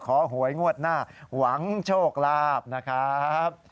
หวยงวดหน้าหวังโชคลาภนะครับ